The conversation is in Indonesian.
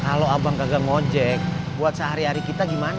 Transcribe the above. kalau abang gagal ngojek buat sehari hari kita gimana